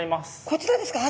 こちらですか？